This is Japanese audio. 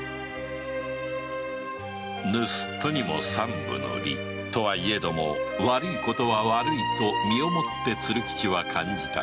盗っ人にも三分の理とはいえども悪いことは悪いと身を持って鶴吉は感じた